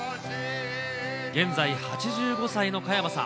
現在８５歳の加山さん。